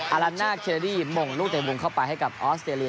อลันน่าเครดี่มงลูกเตะมุมเข้าไปให้กับออสเตรเลี